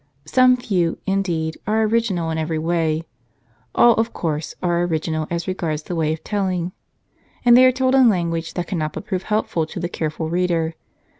Some few, indeed, are original in every way. All, of course, are original as regards the way of telling. And they are told in language that cannot but prove helpful to the careful reader.